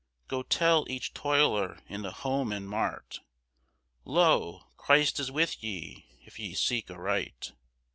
Go tell each toiler in the home and mart, 'Lo, Christ is with ye, if ye seek aright.